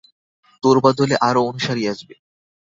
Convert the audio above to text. তোর বদলে আরও অনুসারী আসবে।